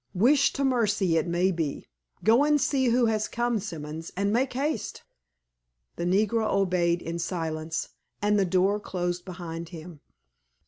Wish to mercy it may be. Go and see who has come, Simons, and make haste!" The negro obeyed in silence, and the door closed behind him.